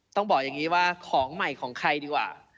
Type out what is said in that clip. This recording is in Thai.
ต้องบอกอย่างนี้ว่าของใหม่ของใครดีกว่า